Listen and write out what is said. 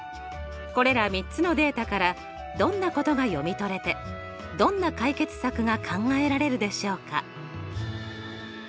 これら３つのデータからどんなことが読み取れてどんな解決策が考えられるでしょうか？